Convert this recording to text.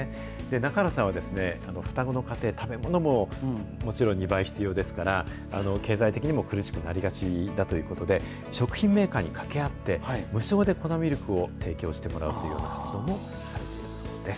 中原さんは、双子の家庭、食べ物ももちろん２倍必要ですから、経済的にも苦しくなりがちだということで、食品メーカーにかけあって、無償で粉ミルクを提供してもらうという活動もされているそうです。